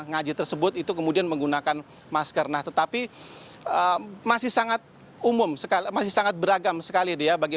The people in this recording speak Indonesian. mereka mengaku sudah berkomunikasi